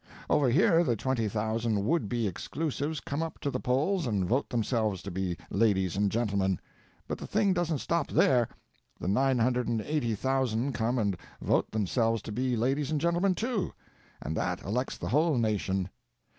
Over here the twenty thousand would be exclusives come up to the polls and vote themselves to be ladies and gentlemen. But the thing doesn't stop there. The nine hundred and eighty thousand come and vote themselves to be ladies and gentlemen too, and that elects the whole nation.